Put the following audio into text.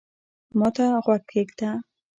ما ته غوږ کېږده